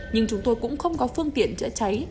nhưng chúng tôi cũng không có phương tiện chữa cháy